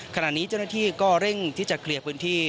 ขณะนี้เจ้าหน้าที่ก็เร่งที่จะเคลียร์พื้นที่